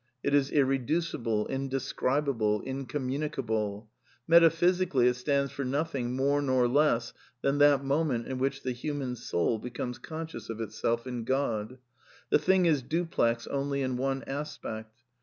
It is irreducible, indescribable, incommunicable. Meta iphysically, it stands for nothing more nor less than that pioment in which the human soul becomes conscious of it iself in God. The thing is duplex only in one aspect.